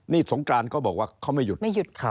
นี่สงกรานก็บอกว่าเขาไม่หยุด